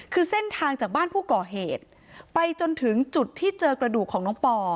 คือเส้นทางจากบ้านผู้ก่อเหตุไปจนถึงจุดที่เจอกระดูกของน้องปอ